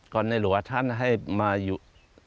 ในหลวงท่านให้มาอยู่